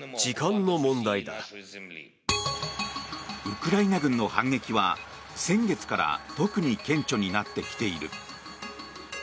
ウクライナ軍の反撃は先月から特に顕著になってきている。